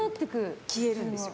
消えるんですよ。